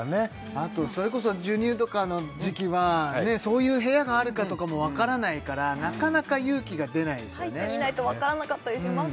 あとそれこそ授乳とかの時期はそういう部屋があるかとかもわからないからなかなか勇気が出ないですよね入ってみないとわからなかったりします